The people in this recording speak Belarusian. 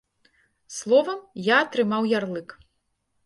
Словам, я атрымаў ярлык.